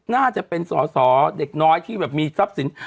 น่าจะเป็นสอสอเด็กน้อยที่แบบมีทรัพย์สิน